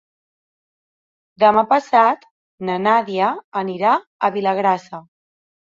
Demà passat na Nàdia anirà a Vilagrassa.